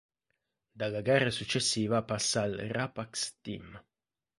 Dalla gara successiva passa al Rapax Team.